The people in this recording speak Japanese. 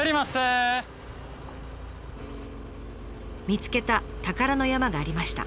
見つけた宝の山がありました。